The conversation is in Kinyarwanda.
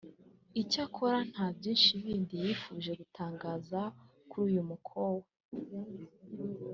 Icyakora nta byinshi bindi yifuje gutangaza kuri uyu mukowa